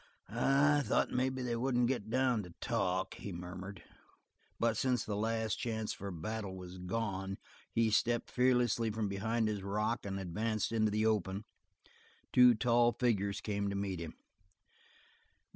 "I thought maybe they wouldn't get down to talk," he murmured. But since the last chance for a battle was gone, he stepped fearlessly from behind his rock and advanced into the open. Two tall figures came to meet him.